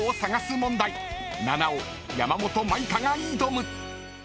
［菜々緒山本舞香が挑む！］